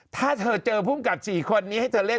ถ้าเธอเจอภูมิกับ๔คนนี้ให้เธอเล่น